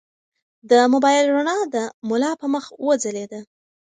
د موبایل رڼا د ملا په مخ وځلېده.